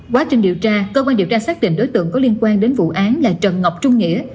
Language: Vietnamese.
quá trình điều tra cơ quan điều tra xác định đối tượng có liên quan đến vụ án là trần ngọc trung nghĩa